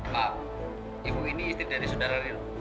pak ibu ini istri dari saudara ril